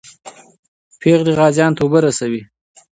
پېغلې غازیانو ته اوبه رسوي.